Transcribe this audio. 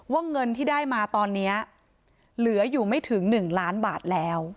เงินที่ได้มาตอนนี้เหลืออยู่ไม่ถึง๑ล้านบาทแล้ว